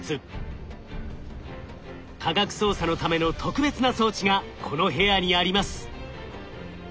科学捜査のための特別な装置がこの部屋にあります。